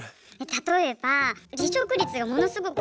例えば離職率がものすごく高くって。